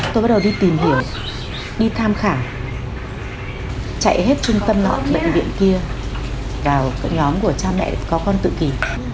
tôi bắt đầu đi tìm hiểu đi tham khảo chạy hết trung tâm bệnh viện kia vào nhóm của cha mẹ có con tự kỷ